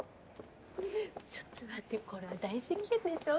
ちょっと待ってこれは大事件でしょ。